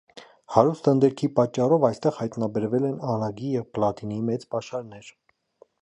Հարուստ ընդերքի պատճառով այստեղ հայտնաբերել են անագի և պլատինի մեծ պաշարներ։